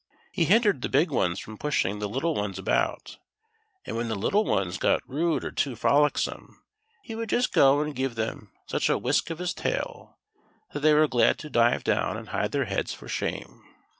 He hindered the big ones from pushing the little ones about ; and when the little ones got rude or too frolicsome, he would just go and give them such a whisk of his tail that they were glad to dive down and hide their heads for shame.